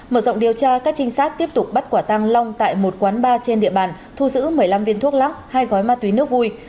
mở rộng điều tra các trinh sát tiếp tục bắt quả tăng long tại một quán bar trên địa bàn thu giữ một mươi năm viên thuốc lắc hai gói ma túy nước vui